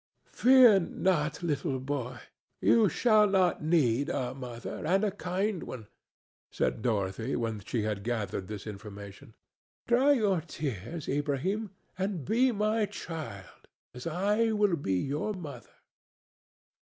"Fear not, little boy; you shall not need a mother, and a kind one," said Dorothy, when she had gathered this information. "Dry your tears, Ilbrahim, and be my child, as I will be your mother."